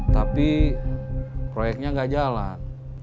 tapi proyeknya gak jalan